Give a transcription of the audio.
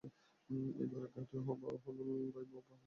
এই বৈরাগ্যই তো হল ভগবানলাভের অন্যতম প্রথম সাধন।